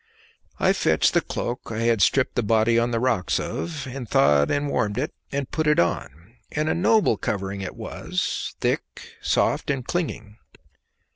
I fetched the cloak I had stripped the body on the rocks of and thawed and warmed it, and put it on, and a noble covering it was, thick, soft, and clinging.